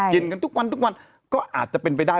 กินกันทุกวันทุกวันก็อาจจะเป็นไปได้